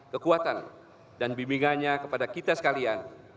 kekuatan dan bimbingannya kepada kita sekalian